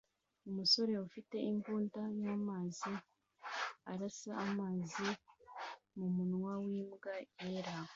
Umusore ufite imbunda y'amazi arasa amazi mumunwa wimbwa yera